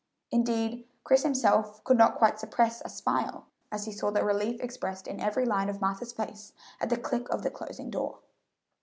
Indeed, Chris himself could not quite suppress a smile as he saw the relief expressed in every line of Martha's face at the click of the closing door.